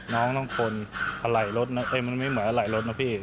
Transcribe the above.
น้องต้องค้นอไหล่รถนะเอ้ยมันไม่เหมือนอไหล่รถนะพี่